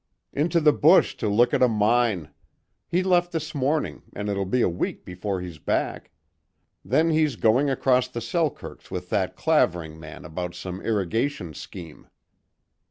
"Into the bush to look at a mine. He left this morning, and it will be a week before he's back. Then he's going across the Selkirks with that Clavering man about some irrigation scheme."